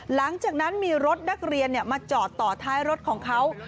หลังจากนั้นมีรถนักเรียนมาจอดต่อท้ายรถของเขา